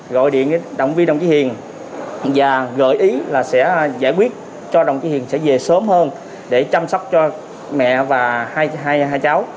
gọi điện động viên đồng chí hiền và gợi ý là sẽ giải quyết cho đồng chí hiền sẽ về sớm hơn để chăm sóc cho mẹ và hai cháu